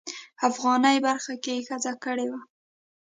افغاني برخه کې یې ښځه کړې وه.